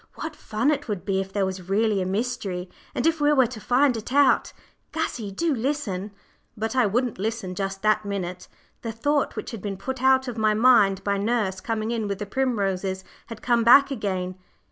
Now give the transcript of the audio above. What fun it would be if there was really a mystery, and if we were to find it out. Gussie, do listen." But I wouldn't listen just that minute. The thought which had been put out of my mind by nurse coming in with the primroses had come back again.